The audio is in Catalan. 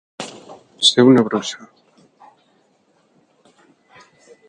Ser una bruixa.